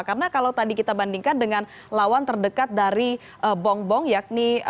karena kalau tadi kita bandingkan dengan lawan terdekat dari bom bom